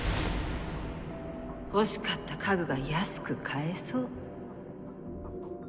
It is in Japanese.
欲しかった家具が安く買えそう。